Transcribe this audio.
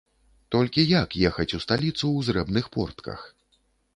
Толькі як ехаць у сталіцу ў зрэбных портках?